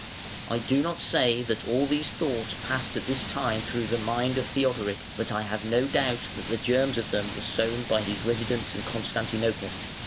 I do not say that all these thoughts passed at this time through the mind of Theodoric, but I have no doubt that the germs of them were sown by his residence in Constantinople.